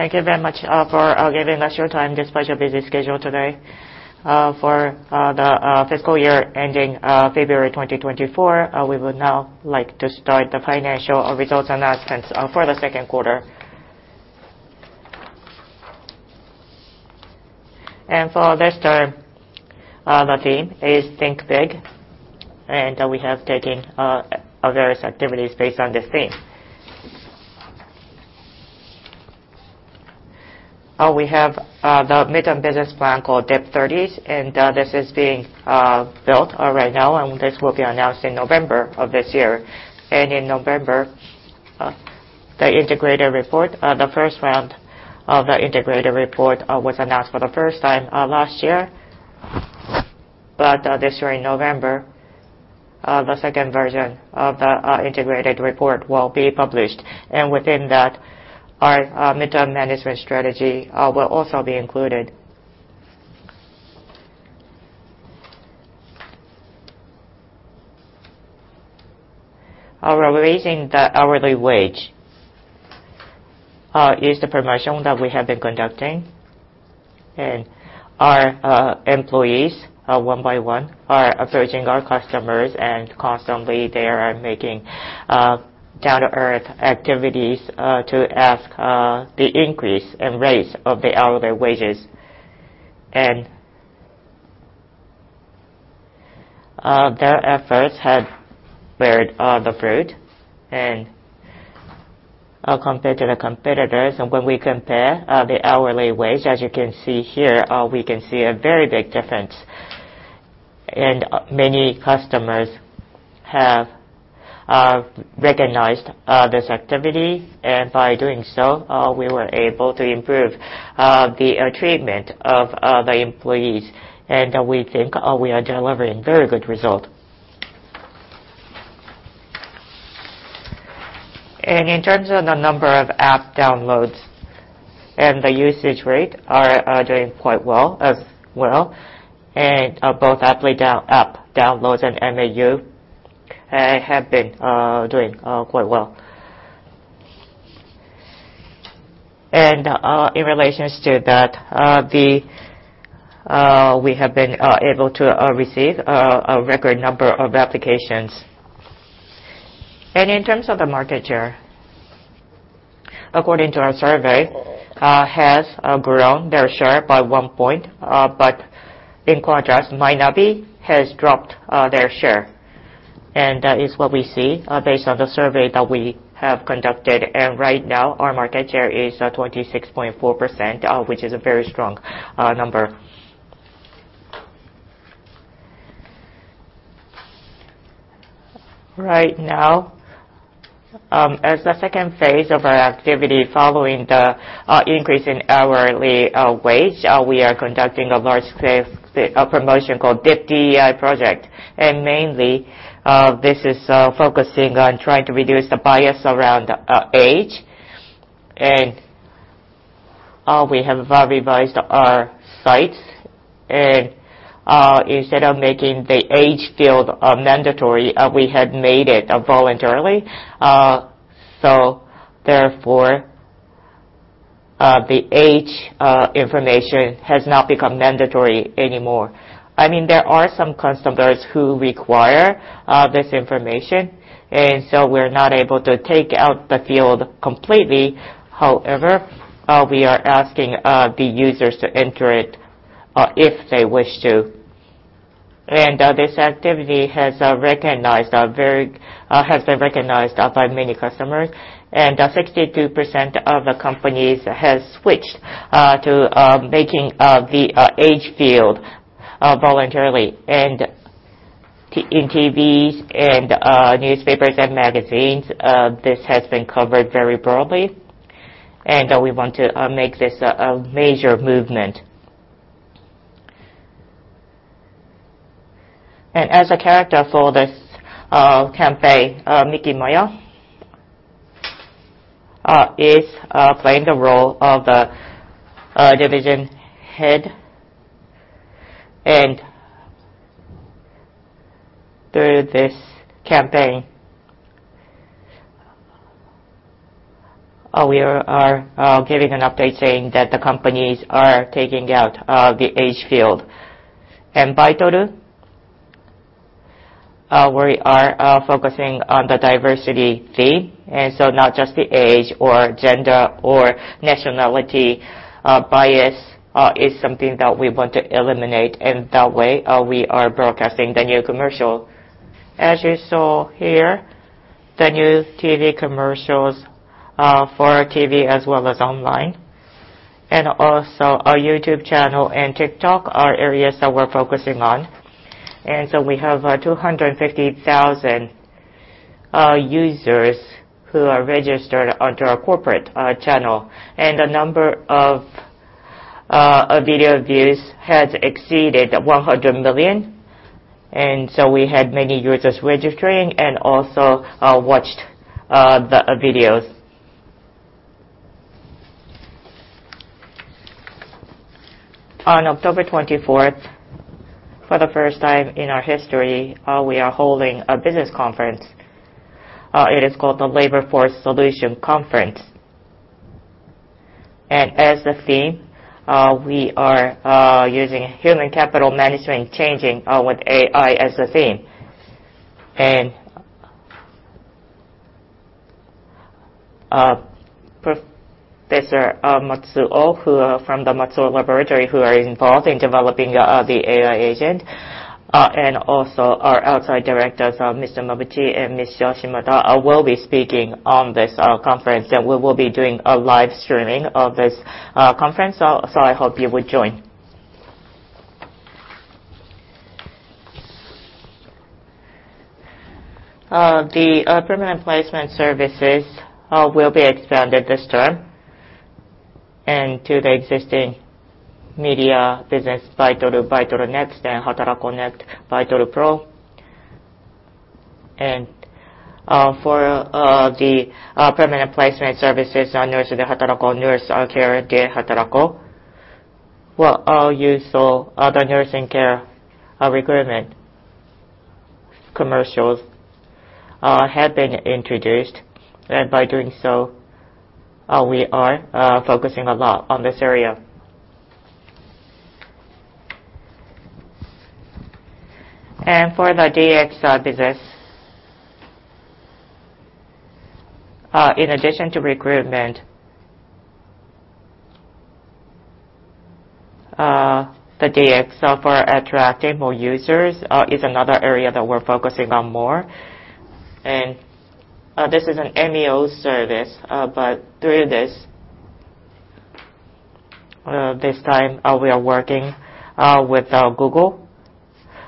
Thank you very much for giving us your time despite your busy schedule today. For the fiscal year ending February 2024, we would now like to start the financial results announcements for the second quarter. For this term, the theme is Think Big, and we have taken various activities based on this theme. We have the midterm business plan called dip 30s, and this is being built right now, and this will be announced in November of this year. In November, the integrated report, the first round of the integrated report, was announced for the first time last year. This year in November, the second version of the integrated report will be published. Within that, our midterm management strategy will also be included. We're raising the hourly wage is the promotion that we have been conducting. Our employees one by one are approaching our customers, and constantly they are making down-to-earth activities to ask the increase and raise of the hourly wages. Their efforts have beared the fruit. Compared to the competitors, and when we compare the hourly wage, as you can see here, we can see a very big difference. Many customers have recognized this activity. By doing so, we were able to improve the treatment of the employees. We think we are delivering very good result. In terms of the number of app downloads and the usage rate are doing quite well as well. Both app downloads and MAU have been doing quite well. In relations to that, we have been able to receive a record number of applications. In terms of the market share, according to our survey, has grown their share by one point. In contrast, Mynavi has dropped their share. That is what we see based on the survey that we have conducted. Right now, our market share is 26.4%, which is a very strong number. Right now, as the second phase of our activity following the increase in hourly wage, we are conducting a large-scale promotion called dip DEI Project. Mainly, this is focusing on trying to reduce the bias around age. We have revised our sites. Instead of making the age field mandatory, we had made it voluntarily. Therefore, the age information has not become mandatory anymore. I mean, there are some customers who require this information, we're not able to take out the field completely. However, we are asking the users to enter it if they wish to. This activity has been recognized by many customers. 62% of the companies has switched to making the age field voluntarily. In TVs and newspapers and magazines, this has been covered very broadly. We want to make this a major movement. As a character for this campaign, Miki Maya is playing the role of the Division Head. Through this campaign, we are giving an update saying that the companies are taking out the age field. Baitoru, we are focusing on the diversity theme, so not just the age or gender or nationality bias is something that we want to eliminate. That way, we are broadcasting the new commercial. As you saw here, the new TV commercials, for TV as well as online, also our YouTube channel and TikTok are areas that we're focusing on. We have 250,000 users who are registered onto our corporate channel, and the number of video views has exceeded 100 million. We had many users registering and also watched the videos. On October 24th, for the first time in our history, we are holding a business conference. It is called the Labor Force Solution Conference. As the theme, we are using human capital management changing with AI as the theme. Professor Matsuo, who from the Matsuo Laboratory, who are involved in developing the AI agent, and also our outside directors, Mr. Mabuchi and Ms. Yoshimoto, will be speaking on this conference, and we will be doing a live streaming of this conference. I hope you will join. The permanent placement services will be expanded this term and to the existing media business, Baitoru NEXT, and Hatarako.net, Baitoru PRO. For the permanent placement services on Nurse de Hatarako, Kaigo de Hatarako, where all useful other nursing care recruitment commercials have been introduced. By doing so, we are focusing a lot on this area. For the DX business, in addition to recruitment, the DX for attracting more users is another area that we're focusing on more. This is an MEO service, but through this time, we are working with Google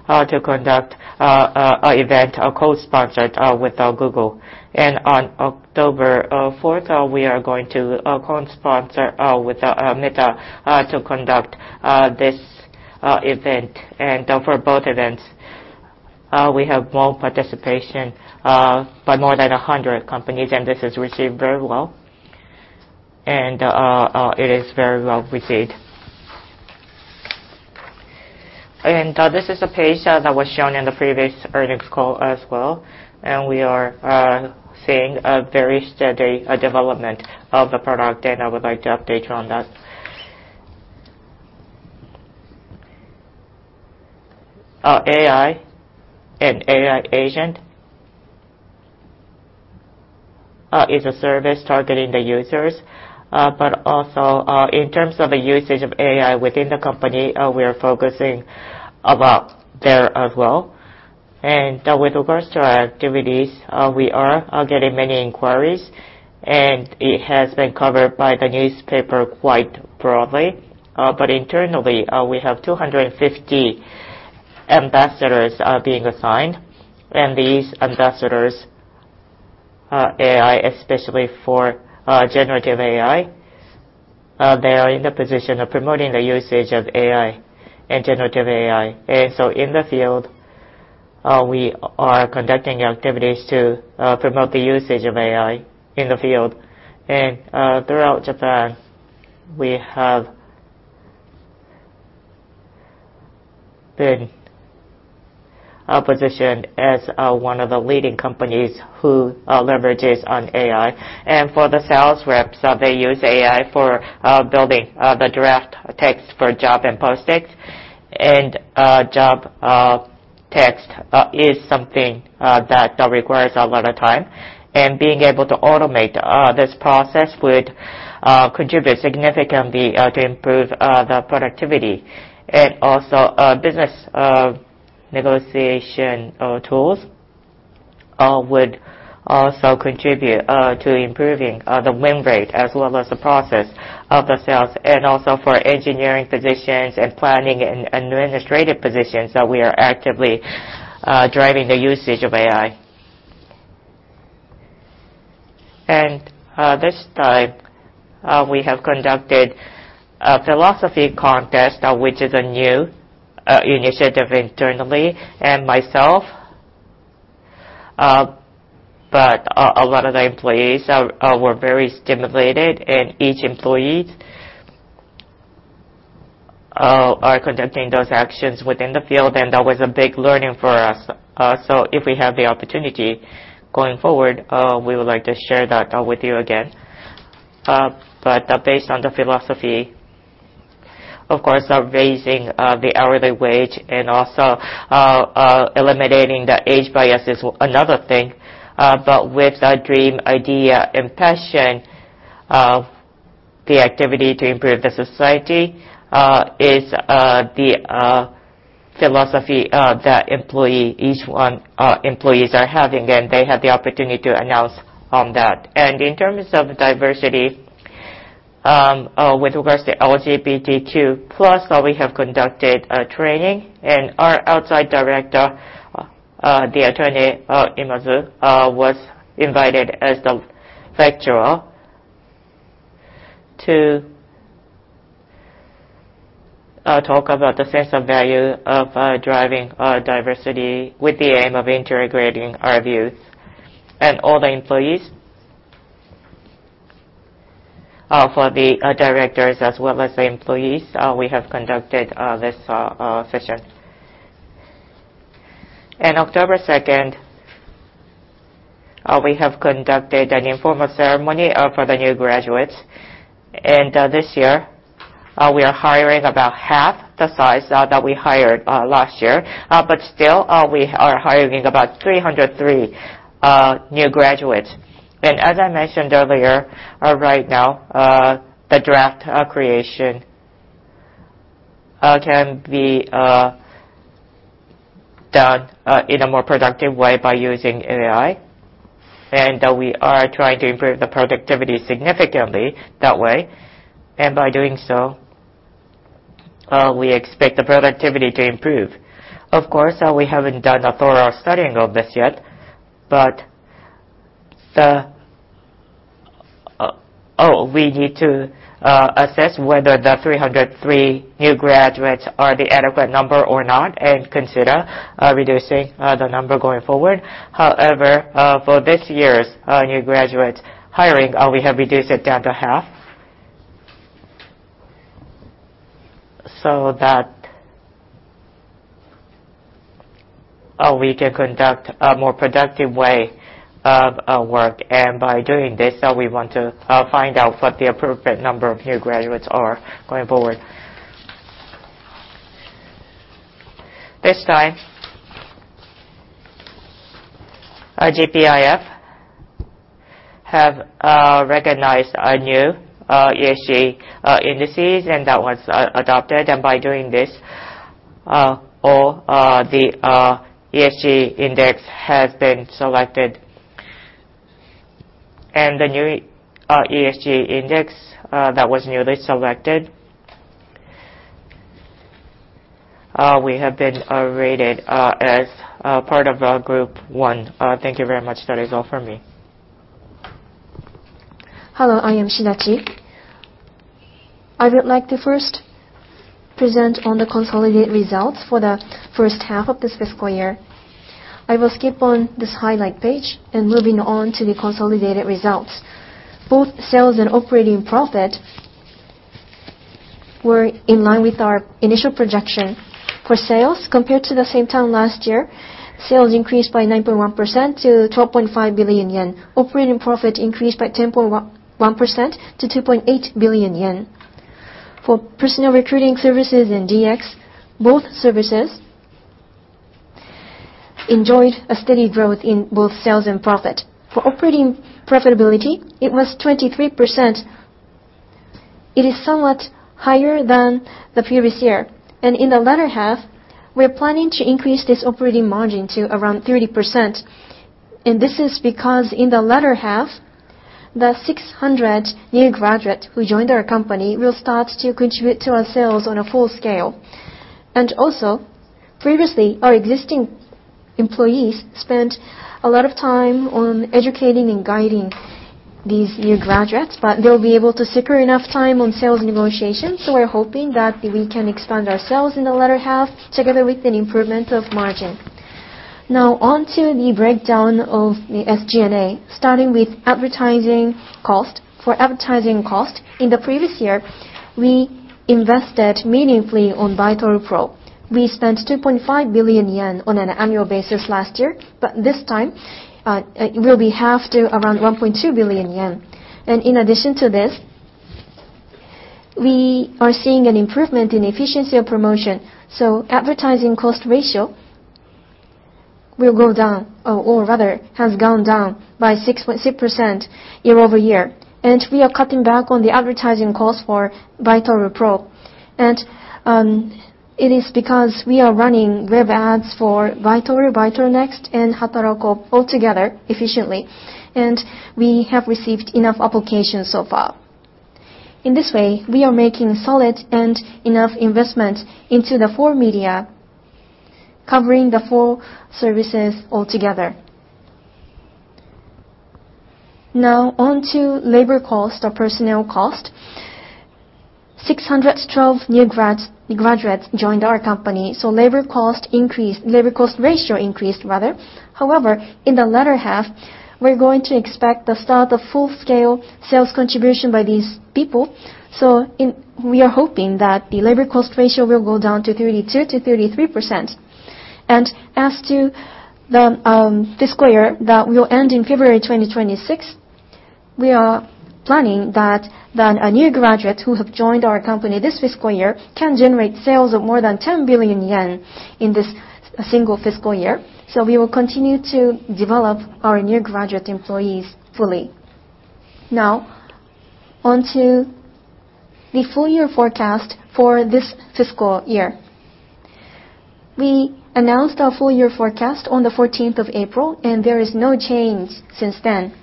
to conduct an event co-sponsored with Google. On October 4th, we are going to co-sponsor with Meta to conduct this event. For both events, we have more participation by more than 100 companies, and this is received very well. It is very well received. This is a page that was shown in the previous earnings call as well, and we are seeing a very steady development of the product, and I would like to update you on that. AI and AI agent is a service targeting the users, but also, in terms of the usage of AI within the company, we are focusing a lot there as well. With regards to our activities, we are getting many inquiries, and it has been covered by the newspaper quite broadly. But internally, we have 250 ambassadors being assigned, and these ambassadors, AI especially for generative AI, they are in the position of promoting the usage of AI and generative AI. In the field, we are conducting activities to promote the usage of AI in the field. Throughout Japan, we have been positioned as one of the leading companies who leverages on AI. For the sales reps, they use AI for building the draft text for job and post it. Job text is something that requires a lot of time. Being able to automate this process would contribute significantly to improve the productivity. Also, business negotiation tools would also contribute to improving the win rate as well as the process of the sales. Also for engineering positions and planning and administrative positions that we are actively driving the usage of AI. This time, we have conducted a philosophy contest, which is a new initiative internally and myself, a lot of the employees were very stimulated, and each employee are conducting those actions within the field, and that was a big learning for us. If we have the opportunity going forward, we would like to share that with you again. Based on the philosophy, of course, of raising the hourly wage and also eliminating the age bias is another thing. With the dream, idea, and passion of the activity to improve the society, is the philosophy that employee, each one, employees are having, and they had the opportunity to announce on that. In terms of diversity, with regards to LGBTQ+, we have conducted a training. Our outside director, the attorney, Imazu, was invited as the lecturer to talk about the sense of value of driving diversity with the aim of integrating our views. For the directors as well as the employees, we have conducted this session. In October 2nd, we have conducted an informal ceremony for the new graduates. This year, we are hiring about half the size that we hired last year. Still, we are hiring about 303 new graduates. As I mentioned earlier, right now, the draft creation can be done in a more productive way by using AI. We are trying to improve the productivity significantly that way. By doing so, we expect the productivity to improve. Of course, we haven't done a thorough studying of this yet, but we need to assess whether the 303 new graduates are the adequate number or not, and consider reducing the number going forward. However, for this year's new graduate hiring, we have reduced it down to half. That we can conduct a more productive way of work. By doing this, we want to find out what the appropriate number of new graduates are going forward. This time, GPIF have recognized a new ESG indices, and that was adopted. By doing this, all the ESG index has been selected. The new ESG index that was newly selected, we have been rated as a part of group one. Thank you very much. That is all for me. Hello, I am Shinichi. I would like to first present on the consolidated results for the 1st half of this fiscal year. I will skip on this highlight page and moving on to the consolidated results. Both sales and operating profit were in line with our initial projection. For sales, compared to the same time last year, sales increased by 9.1% to 12.5 billion yen. Operating profit increased by 10.11% to 2.8 billion yen. For personnel recruiting services and DX, both services enjoyed a steady growth in both sales and profit. For operating profitability, it was 23%. It is somewhat higher than the previous year. In the latter half, we're planning to increase this operating margin to around 30%. This is because in the latter half, the 600 new graduate who joined our company will start to contribute to our sales on a full scale. Previously, our existing employees spent a lot of time on educating and guiding these new graduates, but they'll be able to secure enough time on sales negotiations, so we're hoping that we can expand our sales in the latter half together with an improvement of margin. Now onto the breakdown of the SG&A, starting with advertising cost. For advertising cost, in the previous year, we invested meaningfully on Baitoru PRO. We spent 2.5 billion yen on an annual basis last year, but this time, it will be half to around 1.2 billion yen. In addition to this, we are seeing an improvement in efficiency of promotion, so advertising cost ratio will go down, or rather, has gone down by 6.6% year-over-year. We are cutting back on the advertising cost for Baitoru PRO. It is because we are running web ads for Baitoru NEXT, and Hatarako.net all together efficiently. We have received enough applications so far. In this way, we are making solid and enough investment into the four media, covering the four services altogether. Now onto labor cost or personnel cost. 612 new graduates joined our company, so labor cost increased. Labor cost ratio increased rather. However, in the latter half, we're going to expect the start of full-scale sales contribution by these people. We are hoping that the labor cost ratio will go down to 32%-33%. As to the fiscal year that will end in February 2026, we are planning that a new graduate who have joined our company this fiscal year can generate sales of more than 10 billion yen in this single fiscal year. We will continue to develop our new graduate employees fully. Onto the full year forecast for this fiscal year. We announced our full year forecast on the 14th of April, and there is no change since then.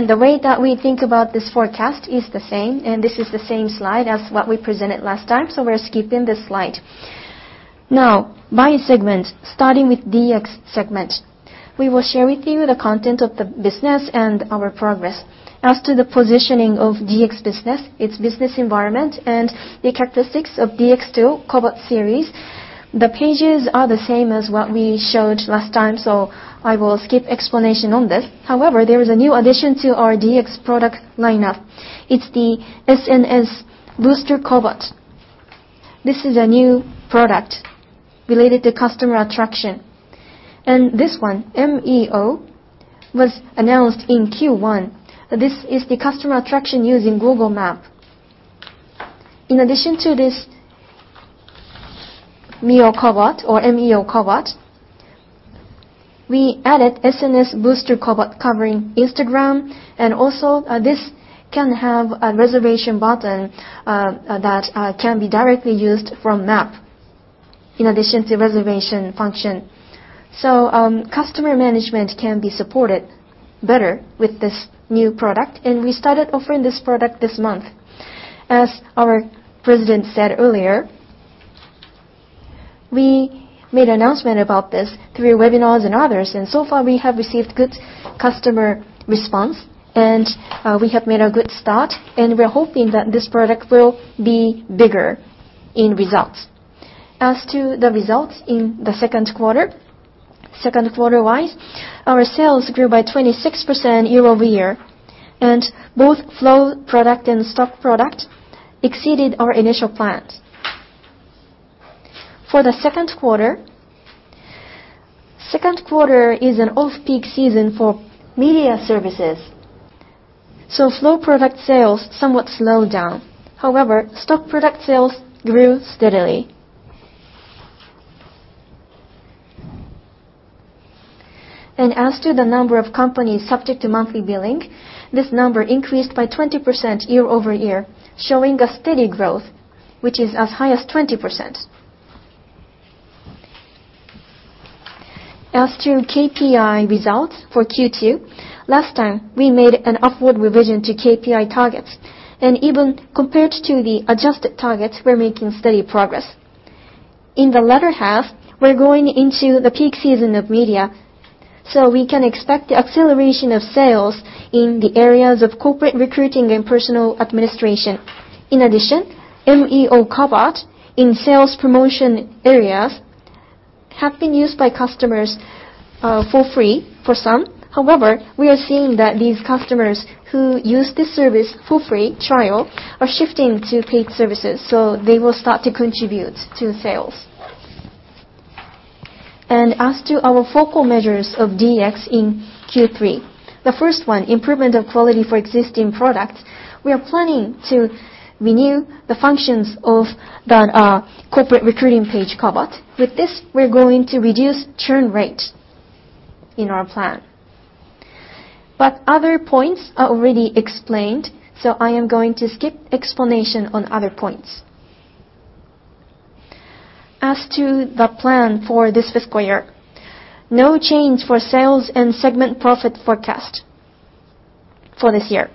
The way that we think about this forecast is the same, and this is the same slide as what we presented last time, so we're skipping this slide. By segment, starting with DX segment. We will share with you the content of the business and our progress. As to the positioning of DX business, its business environment, and the characteristics of DX KOBOT series. The pages are the same as what we showed last time, I will skip explanation on this. There is a new addition to our DX product lineup. It's the SNS Booster KOBOT. This is a new product related to customer attraction. This one, MEO, was announced in Q1. This is the customer attraction using Google Maps. In addition to this MEO KOBOT or MEO KOBOT, we added SNS Booster KOBOT covering Instagram, and also, this can have a reservation button that can be directly used from map in addition to reservation function. Customer management can be supported better with this new product, and we started offering this product this month. As our president said earlier, we made an announcement about this through webinars and others. So far we have received good customer response, we have made a good start. We are hoping that this product will be bigger in results. As to the results in the second quarter, second quarter-wise, our sales grew by 26% year-over-year. Both flow product and stock product exceeded our initial plans. For the second quarter, second quarter is an off-peak season for media services. Flow product sales somewhat slowed down. However, stock product sales grew steadily. As to the number of companies subject to monthly billing, this number increased by 20% year-over-year, showing a steady growth, which is as high as 20%. As to KPI results for Q2, last time we made an upward revision to KPI targets, and even compared to the adjusted targets, we're making steady progress. In the latter half, we're going into the peak season of media, so we can expect the acceleration of sales in the areas of corporate recruiting and personal administration. In addition, MEO KOBOT in sales promotion areas have been used by customers for free for some. However, we are seeing that these customers who use this service for free trial are shifting to paid services, so they will start to contribute to sales. As to our focal measures of DX in Q3, the 1st one, improvement of quality for existing product, we are planning to renew the functions of the corporate recruiting page KOBOT. With this, we're going to reduce churn rate in our plan. Other points are already explained, I am going to skip explanation on other points. As to the plan for this fiscal year, no change for sales and segment profit forecast for this year.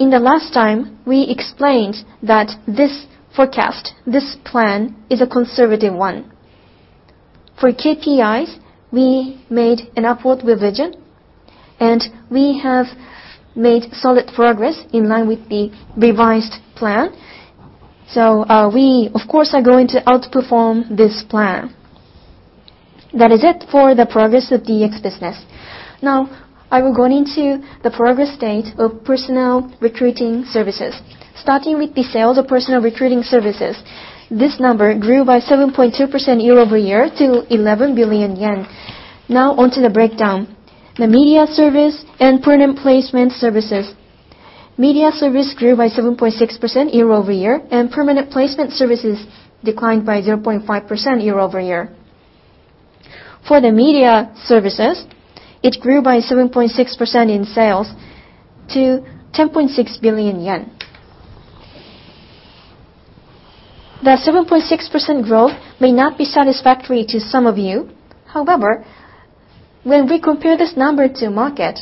In the last time, we explained that this forecast, this plan, is a conservative one. For KPIs, we made an upward revision, we have made solid progress in line with the revised plan. We of course are going to outperform this plan. That is it for the progress of DX business. Now, I will go into the progress state of personnel recruiting services. Starting with the sales of personnel recruiting services, this number grew by 7.2% year-over-year to 11 billion yen. Now onto the breakdown. The media service and permanent placement services. Media service grew by 7.6% year-over-year, and permanent placement services declined by 0.5% year-over-year. For the media services, it grew by 7.6% in sales to 10.6 billion yen. The 7.6% growth may not be satisfactory to some of you. However, when we compare this number to market,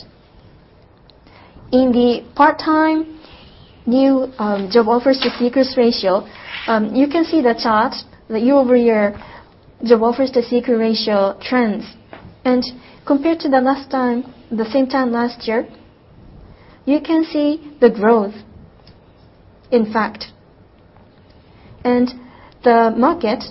in the part-time new job offers to seekers ratio, you can see the chart, the year-over-year job offers to seeker ratio trends. Compared to the last time, the same time last year, you can see the growth, in fact. The market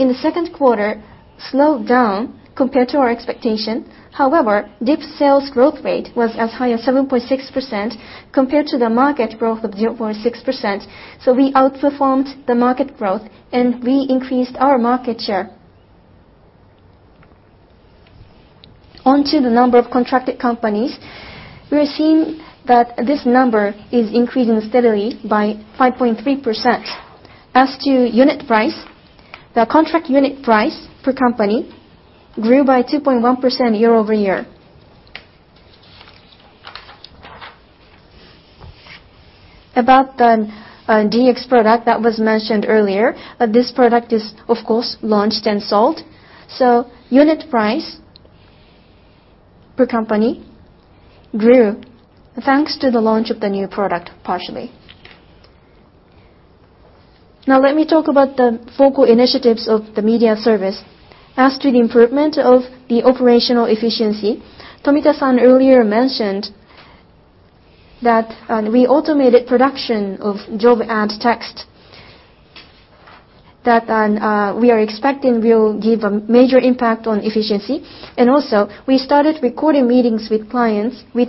in the second quarter slowed down compared to our expectation. However, DIP's sales growth rate was as high as 7.6% compared to the market growth of 0.6%. We outperformed the market growth, and we increased our market share. Onto the number of contracted companies. We are seeing that this number is increasing steadily by 5.3%. As to unit price, the contract unit price per company grew by 2.1% year-over-year. About the DX product that was mentioned earlier, this product is, of course, launched and sold. Unit price per company grew thanks to the launch of the new product, partially. Now let me talk about the focal initiatives of the media service. As to the improvement of the operational efficiency, Tomita-san earlier mentioned that we automated production of job ad text that we are expecting will give a major impact on efficiency. Also, we started recording meetings with clients with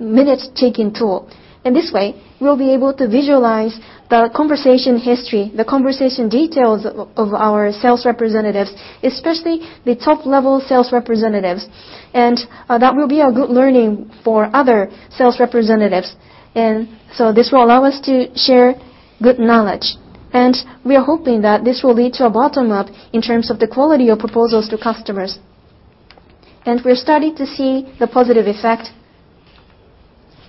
minutes-taking tool. In this way, we'll be able to visualize the conversation history, the conversation details of our sales representatives, especially the top-level sales representatives. That will be a good learning for other sales representatives. This will allow us to share good knowledge, and we are hoping that this will lead to a bottom up in terms of the quality of proposals to customers. We're starting to see the positive effect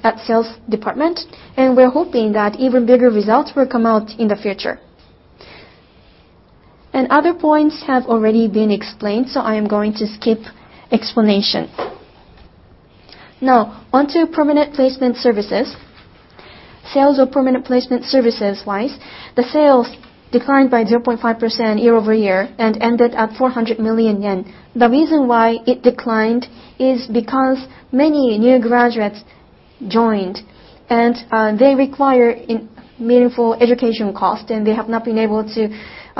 at sales department, and we're hoping that even bigger results will come out in the future. Other points have already been explained, so I am going to skip explanation. Now, onto permanent placement services. Sales of permanent placement services-wise, the sales declined by 0.5% year-over-year and ended at 400 million yen. The reason why it declined is because many new graduates joined and they require meaningful education cost, and they have not been able to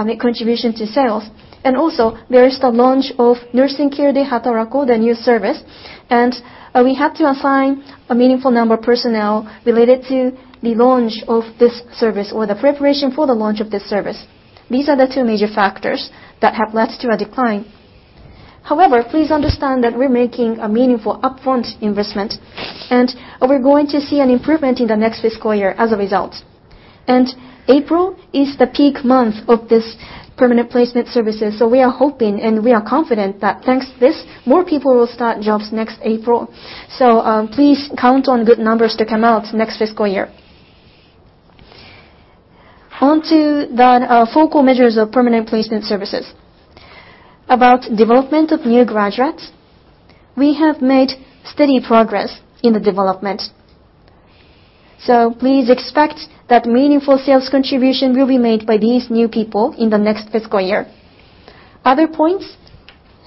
make contribution to sales. Also, there is the launch of Nursing care de Hatarako, the new service, and we had to assign a meaningful number of personnel related to the launch of this service or the preparation for the launch of this service. These are the two major factors that have led to a decline. However, please understand that we're making a meaningful upfront investment, and we're going to see an improvement in the next fiscal year as a result. April is the peak month of this permanent placement services, so we are hoping and we are confident that thanks to this, more people will start jobs next April. Please count on good numbers to come out next fiscal year. Onto the focal measures of permanent placement services. About development of new graduates, we have made steady progress in the development. Please expect that meaningful sales contribution will be made by these new people in the next fiscal year. Other points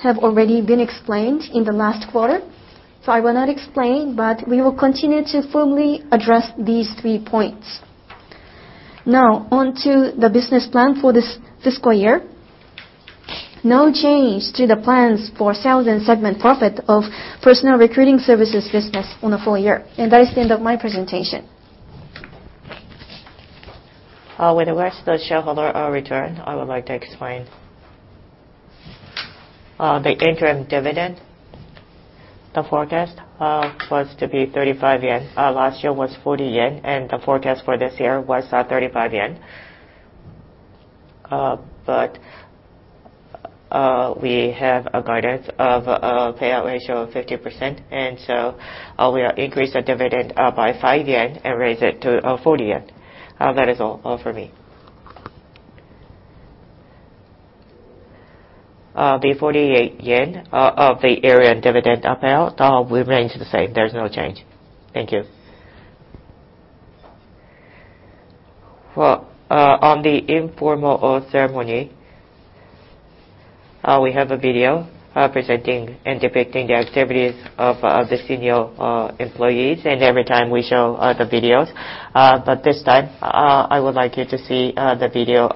have already been explained in the last quarter, so I will not explain, but we will continue to firmly address these three points. Now, onto the business plan for this fiscal year. No change to the plans for sales and segment profit of personal recruiting services business on a full year. That is the end of my presentation. With regards to the shareholder return, I would like to explain. The interim dividend, the forecast, was to be 35 yen. Last year was 40 yen, and the forecast for this year was 35 yen. We have a guidance of a payout ratio of 50%, and so, we increased the dividend by 5 yen and raised it to 40 yen. That is all for me. The 48 yen of the year-end dividend payout will remain the same. There is no change. Thank you. Well, on the informal oath ceremony, we have a video presenting and depicting the activities of the senior employees. Every time we show the videos. This time, I would like you to see the video.